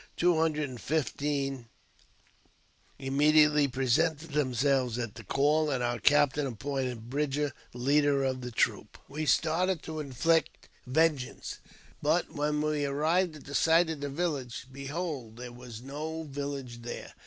Two hundred and fifteen im mediately presented themselves at the call, and our captaii appointed Bridger leader of the troop. JAMES P. BECKWOUBTU. 125 We started to inflict vengeance, but when we arrived at the site of the village, behold ! there was no village there.